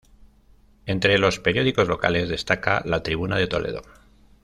Entre los periódicos locales destaca "La Tribuna de Toledo".